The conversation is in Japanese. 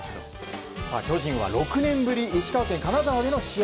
巨人は６年ぶり石川・金沢市での試合。